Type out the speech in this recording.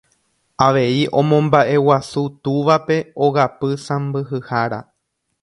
Avei omombaʼeguasu túvape ogapy sãmbyhára.